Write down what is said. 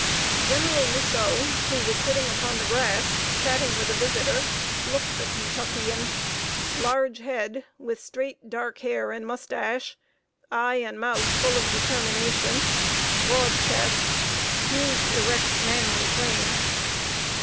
General Rousseau, who was sitting upon the grass, chatting with a visitor, looked the Kentuckian. Large head, with straight, dark hair and mustache; eye and mouth full of determination; broad chest, huge, erect, manly frame.